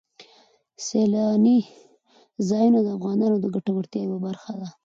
سیلاني ځایونه د افغانانو د ګټورتیا یوه برخه ده.